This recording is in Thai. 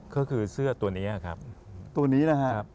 ก็คือเสื้อตัวนี้ครับ